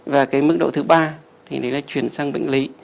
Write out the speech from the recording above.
và cái mức độ thứ ba thì nó lại chuyển sang bệnh lý